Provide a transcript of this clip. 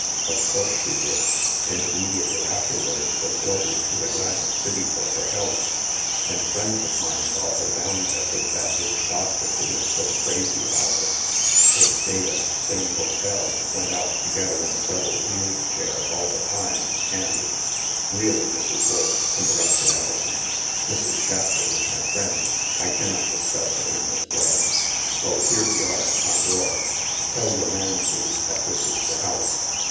" Of course she did. And immediately after wards was ordered to Atlantic City for her health. And friends of mine saw her down there with that rich doctor who is so crazy about her. They stayed at the same hotel and went out together in a double wheeled chair all the time, and —"" Really, Mrs. Wolf," interrupted Alison, " Mrs. Shapleigh is my friend. I cannot discuss her in this way. Oh, here we are at my door. Tell your man, please, that this is the house.